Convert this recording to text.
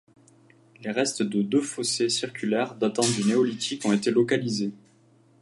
Les restes de deux fossés circulaires datant du Néolithique ont été localisés.